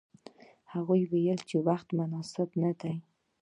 هغوی ویل چې وخت مناسب نه دی.